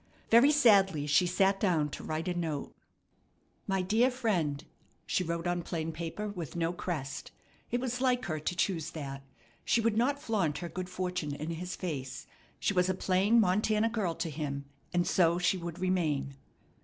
Very sadly she sat down to write a note. "My dear Friend," she wrote on plain paper with no crest. It was like her to choose that. She would not flaunt her good fortune in his face. She was a plain Montana girl to him, and so she would remain.